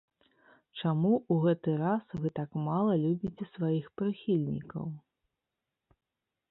Чаму ў гэты раз вы так мала любіце сваіх прыхільнікаў?